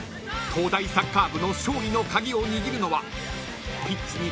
［東大サッカー部の勝利の鍵を握るのはピッチに立たない］